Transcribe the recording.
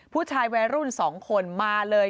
ผู้ชายวัยรุ่น๒คนมาเลย